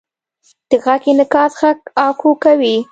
د غږ انعکاس غږ اکو کوي.